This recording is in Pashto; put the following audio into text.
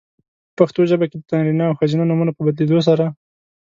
پښتو ژبه کې د نارینه او ښځینه نومونو په بدلېدو سره؛